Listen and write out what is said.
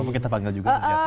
coba kita panggil juga susiati